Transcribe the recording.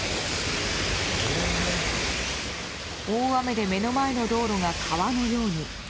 大雨で目の前の道路が川のように。